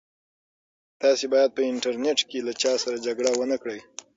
تاسي باید په انټرنيټ کې له چا سره جګړه ونه کړئ.